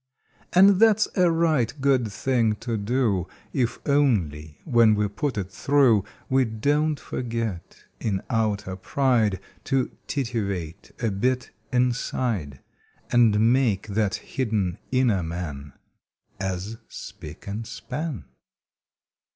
And that s a right good thing to do, If only when we put it through We don t forget in outer pride To titivate a bit Inside, And make that hidden Inner Man As spick and span!